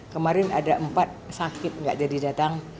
kemarin ada empat sakit nggak jadi datang